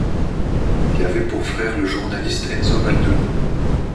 Il avait pour frère le journaliste Enzo Baldoni.